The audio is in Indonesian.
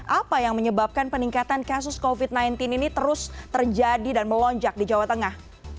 apa yang menyebabkan peningkatan kasus covid sembilan belas ini terus terjadi dan melonjak di jawa tengah